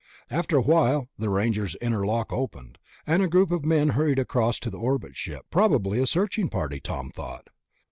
After a while the Ranger's inner lock opened, and a group of men hurried across to the orbit ship. Probably a searching party, Tom thought.